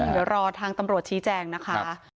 เดี๋ยวรอทางตำรวจชี้แจงนะคะ